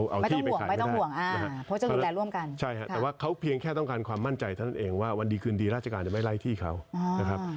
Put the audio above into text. เอาที่ไปขายไม่ได้นะครับใช่ครับแต่ว่าเขาเพียงแค่ต้องการความมั่นใจท่านเองว่าวันดีคืนดีราชการจะไม่ไล่ที่เขานะครับ